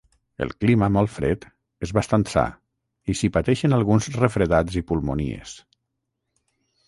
El clima, molt fred, és bastant sa, i s'hi pateixen alguns refredats i pulmonies.